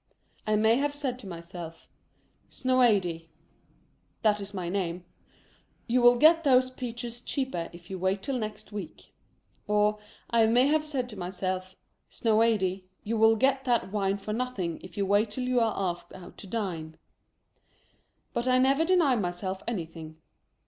I may have said to myself " Snoadt "— that is my name— "you will get those peaches cheaper if you wait till next week''; or, I may have said to myself, " Snoady, you will get that wine for nothing, if you wait till you are asked out to dine" ; but I never deny myself anything.